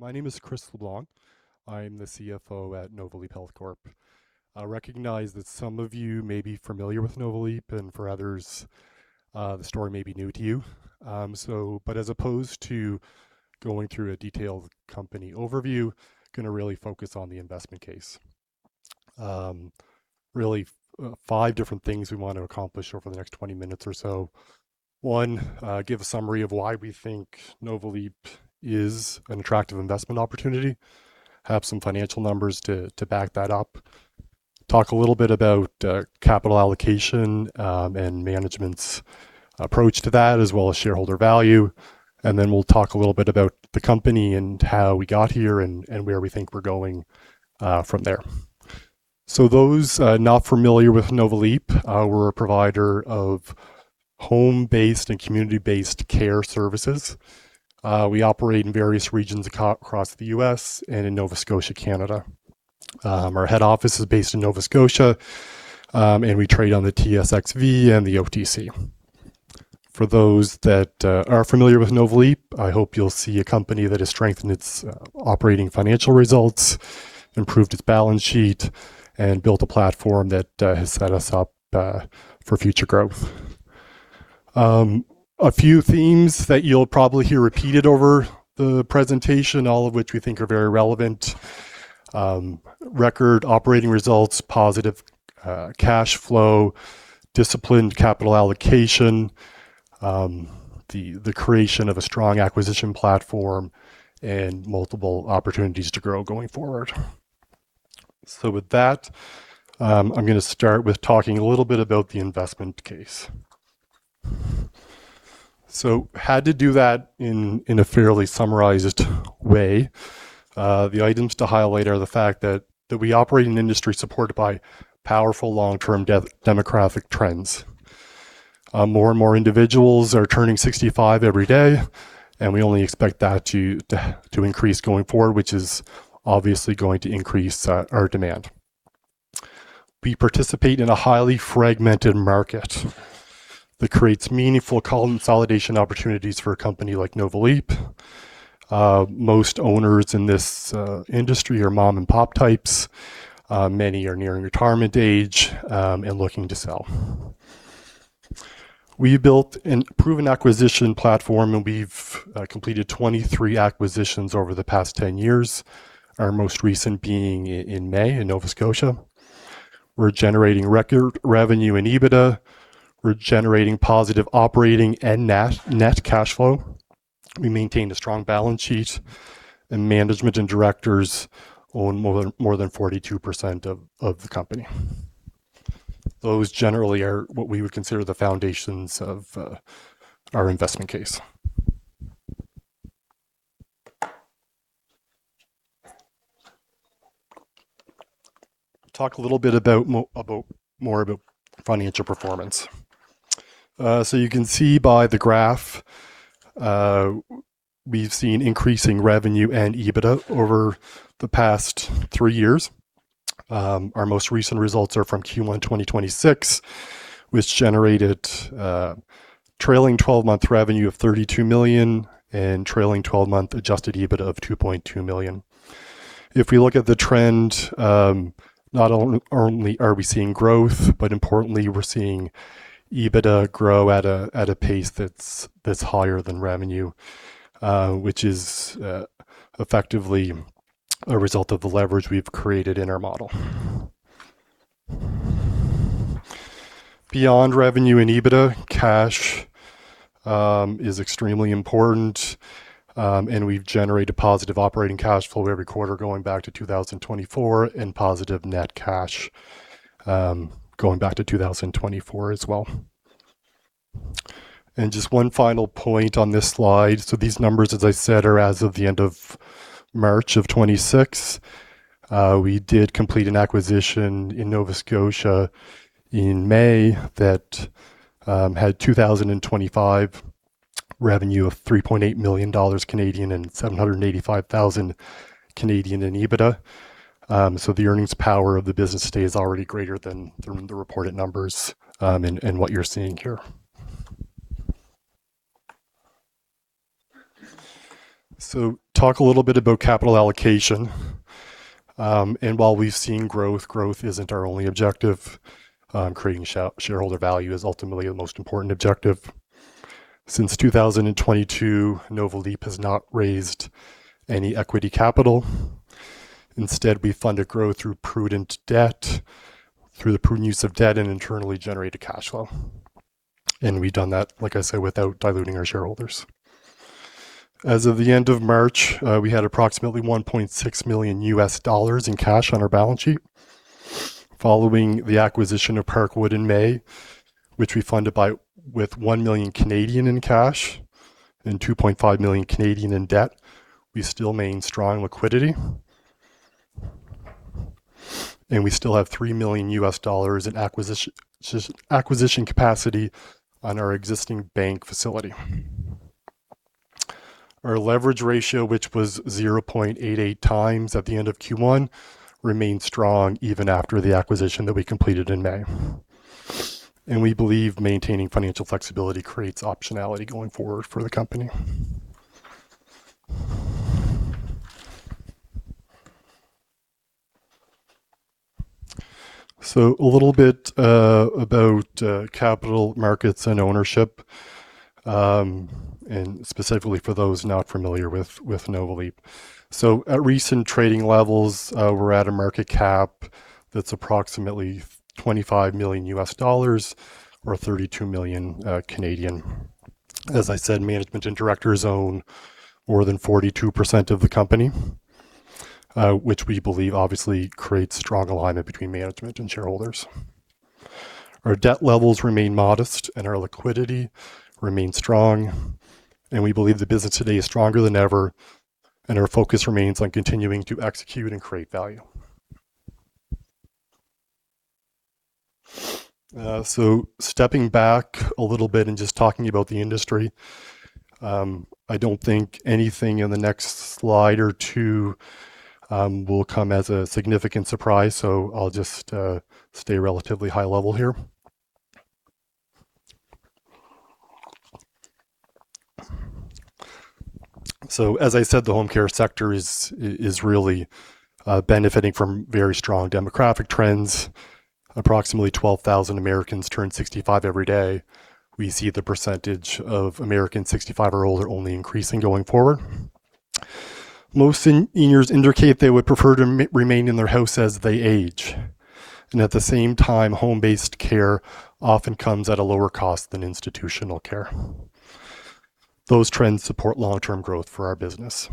My name is Chris LeBlanc. I'm the CFO at Nova Leap Health Corp. I recognize that some of you may be familiar with Nova Leap, and for others, the story may be new to you. As opposed to going through a detailed company overview, I'm going to really focus on the investment case. Five different things we want to accomplish over the next 20 minutes or so. One, give a summary of why we think Nova Leap is an attractive investment opportunity. Have some financial numbers to back that up. Talk a little bit about capital allocation and management's approach to that, as well as shareholder value. Then we'll talk a little bit about the company and how we got here and where we think we're going from there. Those not familiar with Nova Leap, we're a provider of home-based and community-based care services. We operate in various regions across the U.S. and in Nova Scotia, Canada. Our head office is based in Nova Scotia, and we trade on the TSXV and the OTC. For those that are familiar with Nova Leap, I hope you'll see a company that has strengthened its operating financial results, improved its balance sheet, and built a platform that has set us up for future growth. A few themes that you'll probably hear repeated over the presentation, all of which we think are very relevant. Record operating results, positive cash flow, disciplined capital allocation, the creation of a strong acquisition platform, and multiple opportunities to grow going forward. With that, I'm going to start with talking a little bit about the investment case. I had to do that in a fairly summarized way. The items to highlight are the fact that we operate in an industry supported by powerful long-term demographic trends. More and more individuals are turning 65 every day, and we only expect that to increase going forward, which is obviously going to increase our demand. We participate in a highly fragmented market that creates meaningful consolidation opportunities for a company like Nova Leap. Most owners in this industry are mom-and-pop types. Many are nearing retirement age, and looking to sell. We built a proven acquisition platform, and we've completed 23 acquisitions over the past 10 years, our most recent being in May in Nova Scotia. We're generating record revenue and EBITDA. We're generating positive operating and net cash flow. We maintain a strong balance sheet, and management and directors own more than 42% of the company. Those generally are what we would consider the foundations of our investment case. Talk a little bit more about financial performance. You can see by the graph, we've seen increasing revenue and EBITDA over the past three years. Our most recent results are from Q1 2026, which generated trailing 12-month revenue of 32 million and trailing 12-month adjusted EBITDA of 2.2 million. If we look at the trend, not only are we seeing growth, but importantly, we're seeing EBITDA grow at a pace that's higher than revenue, which is effectively a result of the leverage we've created in our model. Beyond revenue and EBITDA, cash is extremely important, and we've generated positive operating cash flow every quarter going back to 2024 and positive net cash, going back to 2024 as well. Just one final point on this slide. These numbers, as I said, are as of the end of March of 2026. We did complete an acquisition in Nova Scotia in May that had 2025 revenue of 3.8 million Canadian dollars and 785,000 in EBITDA. The earnings power of the business today is already greater than the reported numbers, and what you're seeing here. Talk a little bit about capital allocation. While we've seen growth isn't our only objective. Creating shareholder value is ultimately the most important objective. Since 2022, Nova Leap has not raised any equity capital. Instead, we funded growth through the prudent use of debt and internally generated cash flow. We've done that, like I said, without diluting our shareholders. As of the end of March, we had approximately $1.6 million in cash on our balance sheet. Following the acquisition of Parkwood in May, which we funded with 1 million in cash and 2.5 million in debt, we still maintain strong liquidity, and we still have $3 million in acquisition capacity on our existing bank facility. Our leverage ratio, which was 0.88 times at the end of Q1, remains strong even after the acquisition that we completed in May. We believe maintaining financial flexibility creates optionality going forward for the company. A little bit about capital markets and ownership, and specifically for those not familiar with Nova Leap. At recent trading levels, we're at a market cap that's approximately $25 million or 32 million dollars. As I said, management and directors own more than 42% of the company, which we believe obviously creates strong alignment between management and shareholders. Our debt levels remain modest, our liquidity remains strong, and we believe the business today is stronger than ever, and our focus remains on continuing to execute and create value. Stepping back a little bit and just talking about the industry. I don't think anything in the next slide or two will come as a significant surprise, so I'll just stay relatively high level here. As I said, the home care sector is really benefiting from very strong demographic trends. Approximately 12,000 Americans turn 65 every day. We see the percentage of Americans 65 or older only increasing going forward. Most seniors indicate they would prefer to remain in their house as they age, and at the same time, home-based care often comes at a lower cost than institutional care. Those trends support long-term growth for our business.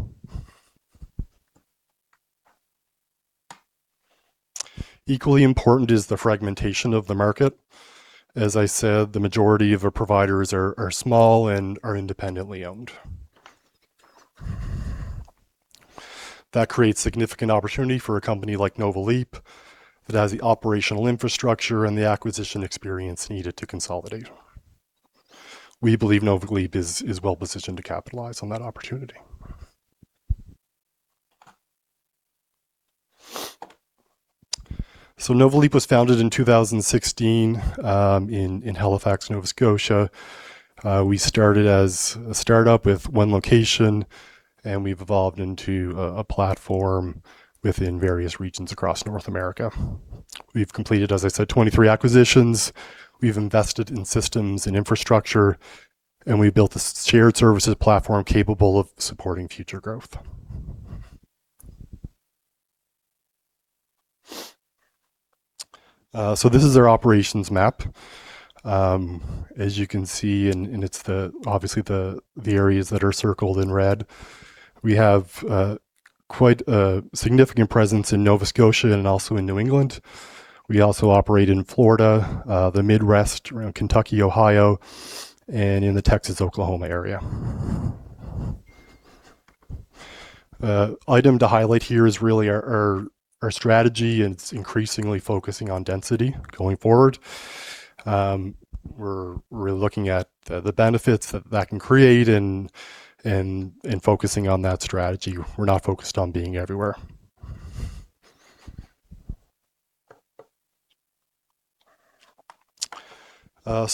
Equally important is the fragmentation of the market. As I said, the majority of our providers are small and are independently owned. That creates significant opportunity for a company like Nova Leap that has the operational infrastructure and the acquisition experience needed to consolidate. We believe Nova Leap is well positioned to capitalize on that opportunity. Nova Leap was founded in 2016 in Halifax, Nova Scotia. We started as a startup with one location, and we've evolved into a platform within various regions across North America. We've completed, as I said, 23 acquisitions, we've invested in systems and infrastructure, and we built a shared services platform capable of supporting future growth. This is our operations map. As you can see, and it's obviously the areas that are circled in red. We have quite a significant presence in Nova Scotia and also in New England. We also operate in Florida, the Midwest around Kentucky, Ohio, and in the Texas, Oklahoma area. Item to highlight here is really our strategy, and it's increasingly focusing on density going forward. We're looking at the benefits that that can create and focusing on that strategy. We're not focused on being everywhere.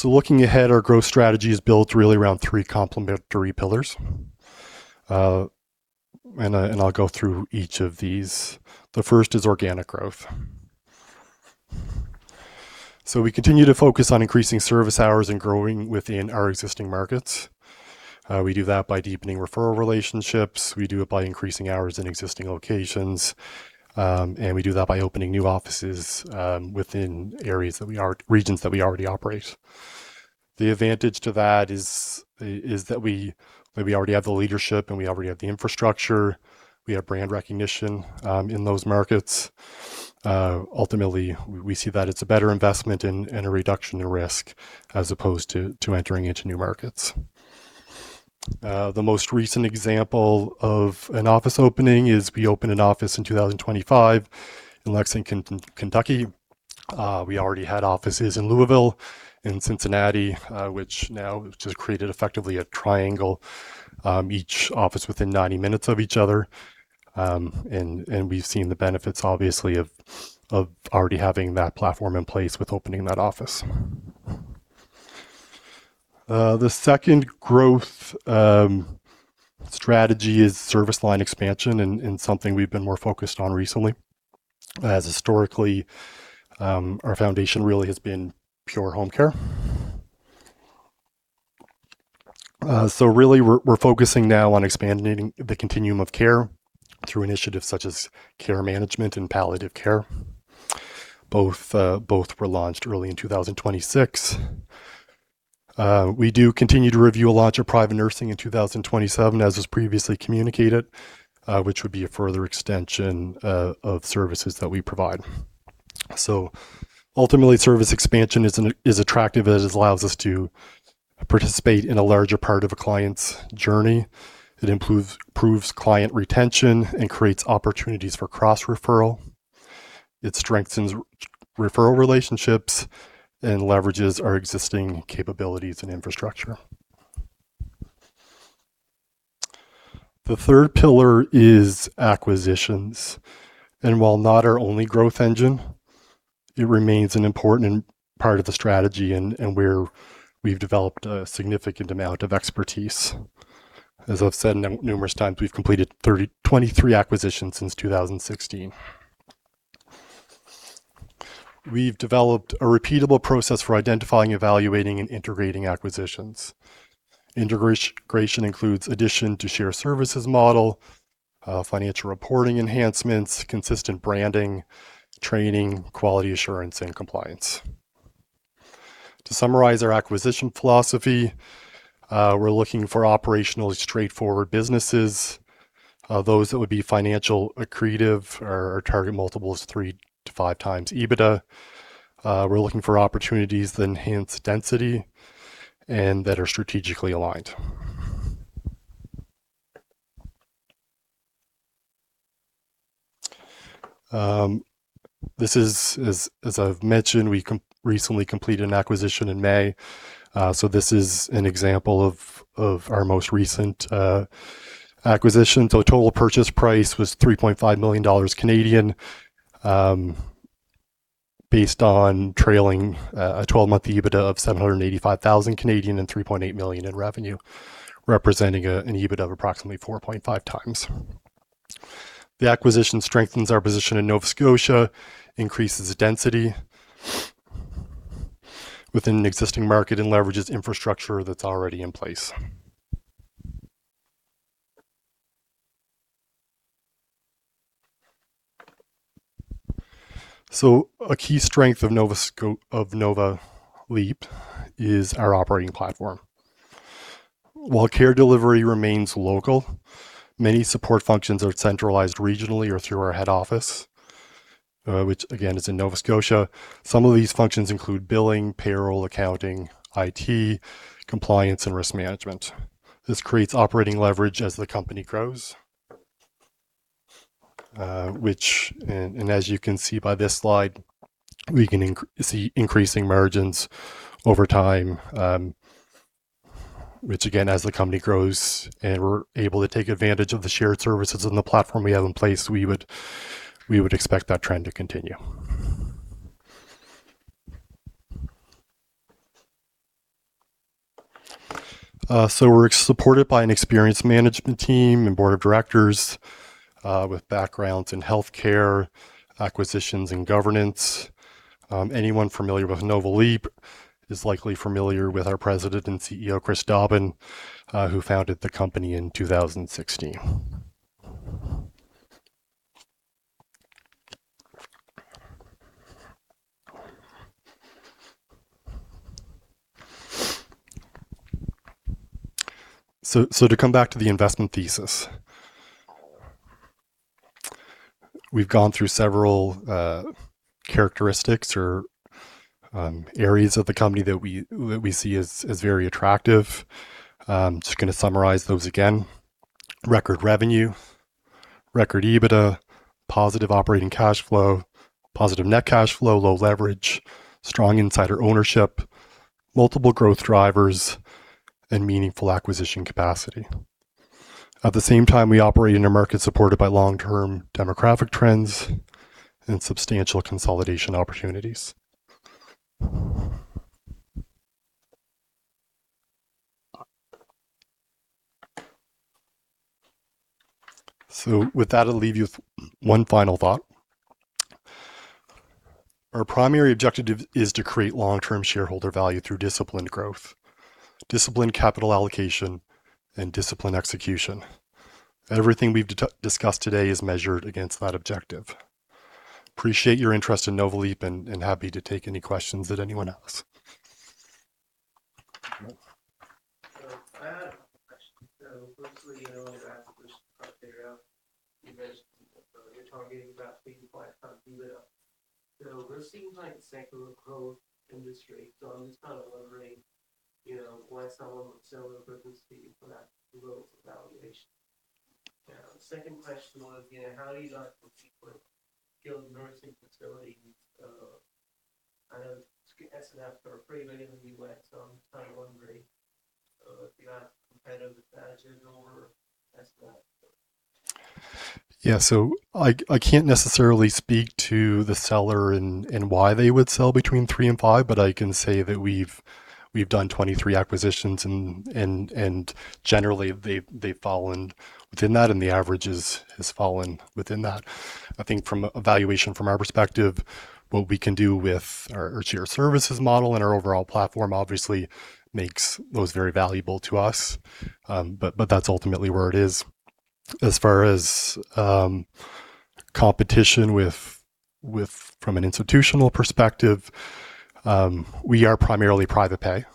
Looking ahead, our growth strategy is built really around three complementary pillars. I'll go through each of these. The first is organic growth. We continue to focus on increasing service hours and growing within our existing markets. We do that by deepening referral relationships, we do it by increasing hours in existing locations, and we do that by opening new offices within regions that we already operate. The advantage to that is that we already have the leadership, and we already have the infrastructure. We have brand recognition in those markets. Ultimately, we see that it's a better investment and a reduction in risk as opposed to entering into new markets. The most recent example of an office opening is we opened an office in 2025 in Lexington, Kentucky. We already had offices in Louisville, in Cincinnati, which now has just created effectively a triangle, each office within 90 minutes of each other. We've seen the benefits, obviously, of already having that platform in place with opening that office. The second growth strategy is service line expansion and something we've been more focused on recently. Historically, our foundation really has been pure home care. Really, we're focusing now on expanding the continuum of care through initiatives such as care management and palliative care. Both were launched early in 2026. We do continue to review a launch of private nursing in 2027, as was previously communicated, which would be a further extension of services that we provide. Ultimately, service expansion is attractive as it allows us to participate in a larger part of a client's journey. It improves client retention and creates opportunities for cross-referral. It strengthens referral relationships and leverages our existing capabilities and infrastructure. The third pillar is acquisitions, and while not our only growth engine, it remains an important part of the strategy and where we've developed a significant amount of expertise. As I've said numerous times, we've completed 23 acquisitions since 2016. We've developed a repeatable process for identifying, evaluating, and integrating acquisitions. Integration includes addition to share services model, financial reporting enhancements, consistent branding, training, quality assurance, and compliance. To summarize our acquisition philosophy, we're looking for operationally straightforward businesses, those that would be financially accretive. Our target multiple is 3-5x EBITDA. We're looking for opportunities that enhance density and that are strategically aligned. As I've mentioned, we recently completed an acquisition in May. This is an example of our most recent acquisition. Total purchase price was 3.5 million Canadian dollars based on trailing a 12-month EBITDA of 785,000 and 3.8 million in revenue, representing an EBITDA of approximately 4.5 times. The acquisition strengthens our position in Nova Scotia, increases density within an existing market, and leverages infrastructure that's already in place. A key strength of Nova Leap is our operating platform. While care delivery remains local, many support functions are centralized regionally or through our head office, which again is in Nova Scotia. Some of these functions include billing, payroll, accounting, IT, compliance, and risk management. This creates operating leverage as the company grows, and as you can see by this slide, we can see increasing margins over time. As the company grows and we're able to take advantage of the shared services and the platform we have in place, we would expect that trend to continue. We're supported by an experienced management team and board of directors with backgrounds in healthcare, acquisitions, and governance. Anyone familiar with Nova Leap is likely familiar with our President and CEO, Chris Dobbin, who founded the company in 2016. To come back to the investment thesis. We've gone through several characteristics or areas of the company that we see as very attractive. I'm just going to summarize those again. Record revenue, record EBITDA, positive operating cash flow, positive net cash flow, low leverage, strong insider ownership, multiple growth drivers, and meaningful acquisition capacity. At the same time, we operate in a market supported by long-term demographic trends and substantial consolidation opportunities. With that, I'll leave you with one final thought. Our primary objective is to create long-term shareholder value through disciplined growth, disciplined capital allocation, and disciplined execution. Everything we've discussed today is measured against that objective. Appreciate your interest in Nova Leap and happy to take any questions that anyone has. Mostly, going back to this criteria you mentioned, you're targeting about 3-5 times EBITDA. This seems like a secular growth industry. I'm just kind of wondering why someone would sell their business to you for that low of a valuation? The second question was, how do you guys compete with Skilled Nursing Facilities? I know SNFs go for CAD 3 million in EBITDA. I'm just kind of wondering if you have competitive advantages over SNFs. Yeah. I can't necessarily speak to the seller and why they would sell between 3 and 5, but I can say that we've done 23 acquisitions, and generally they've fallen within that, and the average has fallen within that. I think from a valuation, from our perspective, what we can do with our shared services model and our overall platform obviously makes those very valuable to us, but that's ultimately where it is. As far as competition from an institutional perspective, we are primarily private pay.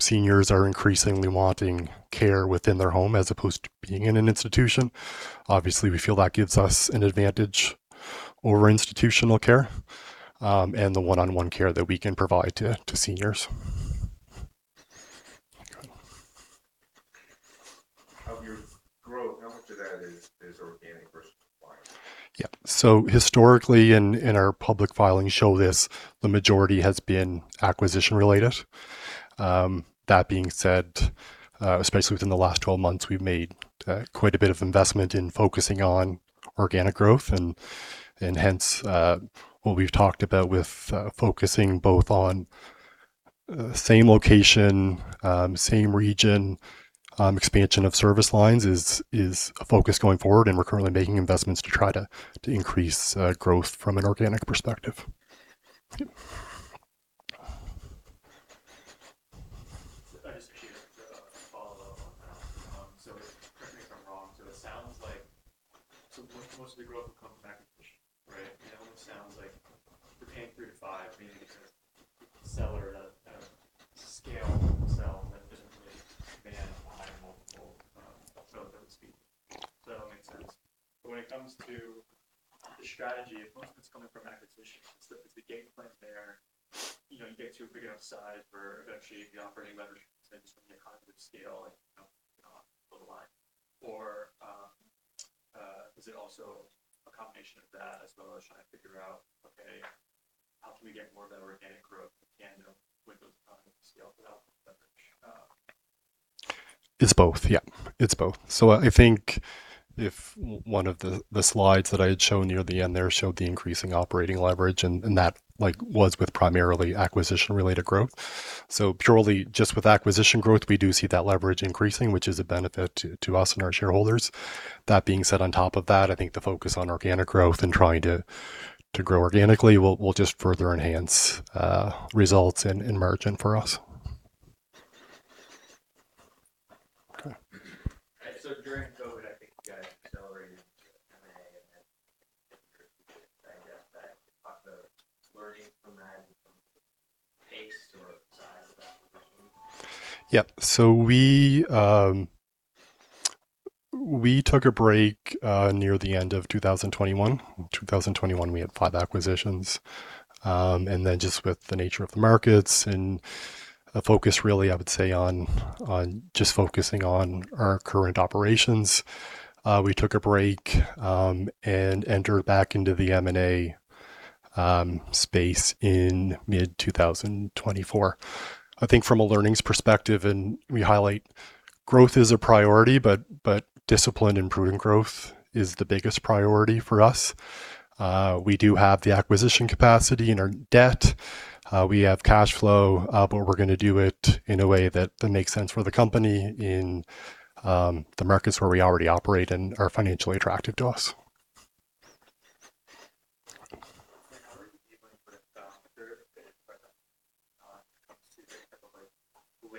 Seniors are increasingly wanting care within their home as opposed to being in an institution. Obviously, we feel that gives us an advantage over institutional care, and the one-on-one care that we can provide to seniors. Of your growth, how much of that is organic versus acquiring? Yeah. Historically, our public filings show this, the majority has been acquisition-related. That being said, especially within the last 12 months, we've made quite a bit of investment in focusing on organic growth hence, what we've talked about with focusing both on same location, same region, expansion of service lines is a focus going forward, we're currently making investments to try to increase growth from an organic perspective. Yeah. I just had a follow-up on that. Correct me if I'm wrong. It sounds like most of your growth will come from acquisitions, right? It almost sounds like you're paying three to five, meaning it's a seller that has scale, that doesn't really demand buying multiple, so to speak. Does that all make sense? When it comes to the strategy, if most of it's coming from acquisitions, is the game plan there, you get to a big enough size where eventually the operating leverage comes from the economies of scale and, you know, dot the line. Is it also a combination of that as well as trying to figure out, okay, how can we get more of that organic growth and with those economies of scale to help leverage? It's both. Yeah. It's both. I think if one of the slides that I had shown near the end there showed the increasing operating leverage that was with primarily acquisition-related growth. Purely just with acquisition growth, we do see that leverage increasing, which is a benefit to us and our shareholders. That being said, on top of that, I think the focus on organic growth trying to grow organically will just further enhance results and margin for us. Okay. During COVID, I think you guys accelerated We took a break near the end of 2021. In 2021, we had five acquisitions. Just with the nature of the markets and a focus, really, I would say on just focusing on our current operations. We took a break, and entered back into the M&A space in mid-2024. I think from a learnings perspective, and we highlight growth is a priority, but disciplined and prudent growth is the biggest priority for us. We do have the acquisition capacity in our debt. We have cash flow, but we're going to do it in a way that makes sense for the company in the markets where we already operate and are financially attractive to us.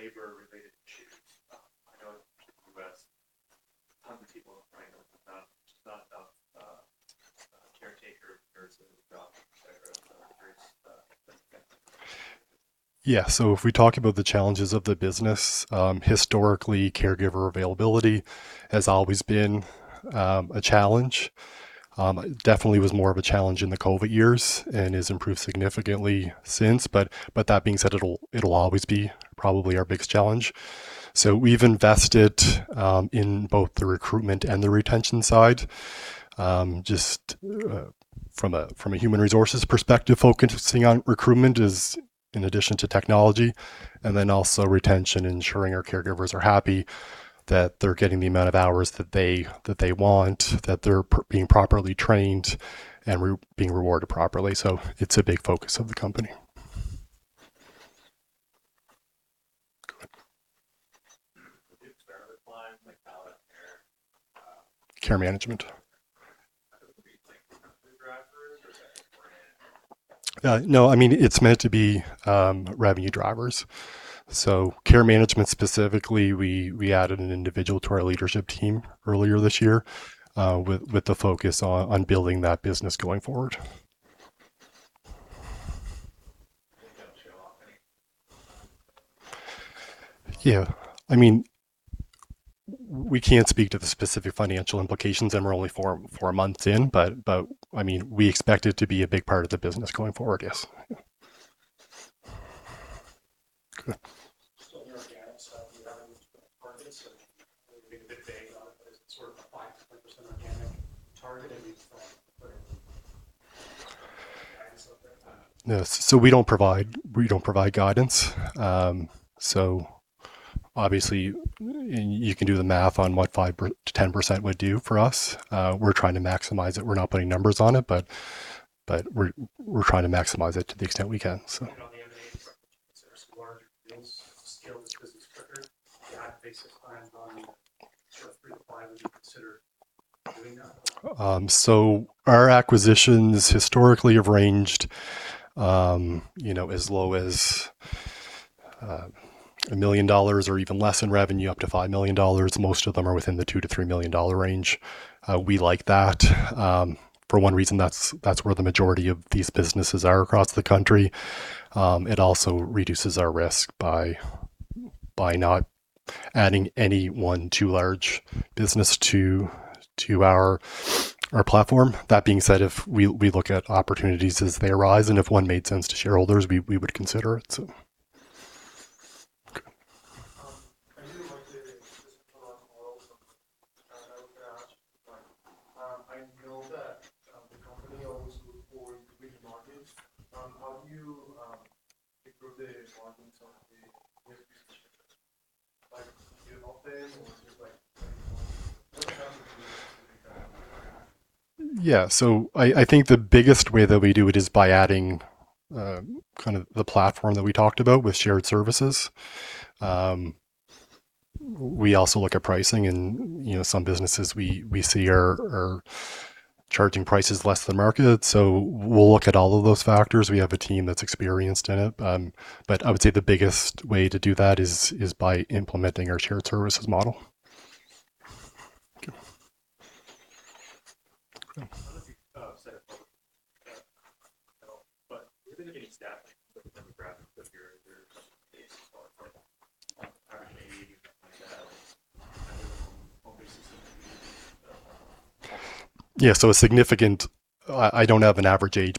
If we talk about the challenges of the business, historically, caregiver availability has always been a challenge. Definitely was more of a challenge in the COVID years and has improved significantly since. That being said, it'll always be probably our biggest challenge. We've invested in both the recruitment and the retention side. Just from a human resources perspective, focusing on recruitment is in addition to technology, and then also retention, ensuring our caregivers are happy, that they're getting the amount of hours that they want, that they're being properly trained and being rewarded properly. It's a big focus of the company. Go ahead. Care management? Its meant to be revenue drivers, care management specifically, we added an individual to our leadership team earlier this year, with the focus on building that business going forward. Yeah. We can't speak to the specific financial implications, and we're only four months in, but we expect it to be a big part of the business going forward. Yes. Go ahead. No. We don't provide guidance. Obviously, you can do the math on what 5%-10% would do for us. We're trying to maximize it. We're not putting numbers on it, but we're trying to maximize it to the extent we can. On the M&A front, there are some larger deals to scale this business quicker. Do you have basic plans on sort of three-five when you consider doing that? Our acquisitions historically have ranged as low as 1 million dollars or even less in revenue, up to 5 million dollars. Most of them are within the 2 million-3 million dollar range. We like that. For one reason, that's where the majority of these businesses are across the country. It also reduces our risk by not adding any one too large business to our platform. That being said, if we look at opportunities as they arise, and if one made sense to shareholders, we would consider it. I really like the centralized model. I would ask, I know that the company always looks for improving the markets. How do you improve the markets with these changes? Yeah. I think the biggest way that we do it is by adding the platform that we talked about with shared services. We also look at pricing and some businesses we see are charging prices less than market. We'll look at all of those factors. We have a team that's experienced in it. I would say the biggest way to do that is by implementing our shared services model. Okay. Yeah. I don't have an average age.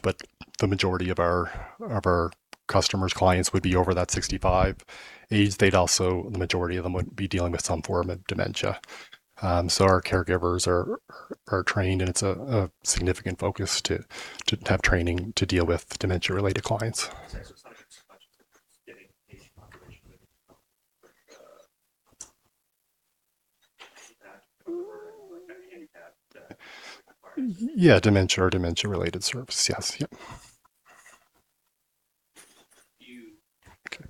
The majority of our customers, clients would be over that 65 age. The majority of them would be dealing with some form of dementia. Our caregivers are trained, and it's a significant focus to have training to deal with dementia-related clients. Yeah, dementia or dementia-related service. Yes. Yep. Okay.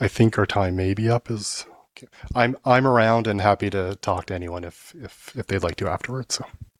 I think our time may be up. Okay. I'm around and happy to talk to anyone if they'd like to afterwards. Thank you